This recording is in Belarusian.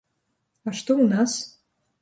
А што у нас?